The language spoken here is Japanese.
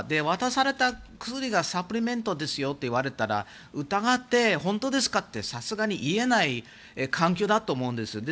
渡された薬がサプリメントですよと言われたら疑って本当ですかってさすがに言えない環境だと思うんです。